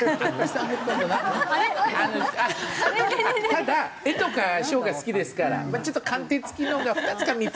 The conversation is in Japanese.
ただ絵とか書が好きですからちょっと鑑定付きのが２つか３つあるんですよ。